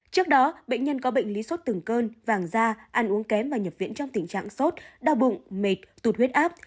trước đó bệnh nhân có bệnh lý sốt từng cơn vàng da ăn uống kém và nhập viện trong tình trạng sốt đau bụng mệt tụt huyết áp